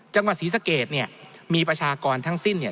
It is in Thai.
จังหวัดศรีสะเกดเนี่ยมีประชากรทั้งสิ้นเนี่ย